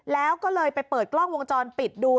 แล้วก็เลยไปเปิดกล้องวงจรปิดดู